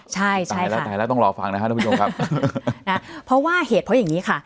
ใช่ตายแล้วตายแล้วต้องรอฟังนะครับทุกผู้ชมครับนะเพราะว่าเหตุเพราะอย่างนี้ค่ะ